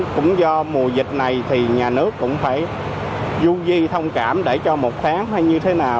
cũng do mùa dịch này thì nhà nước cũng phải vui thông cảm để cho một tháng hay như thế nào